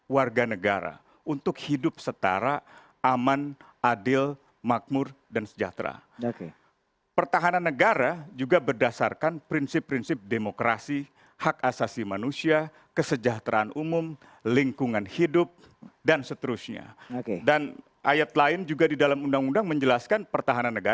yang punya sejarah dan juga punya pengalaman